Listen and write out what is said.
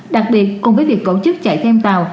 đặc biệt cùng với việc tổ chức chạy thêm tàu